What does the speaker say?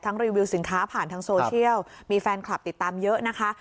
รีวิวสินค้าผ่านทางโซเชียลมีแฟนคลับติดตามเยอะนะคะ